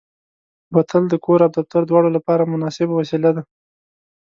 بوتل د کور او دفتر دواړو لپاره مناسبه وسیله ده.